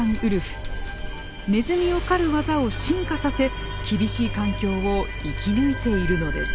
ネズミを狩る技を進化させ厳しい環境を生き抜いているのです。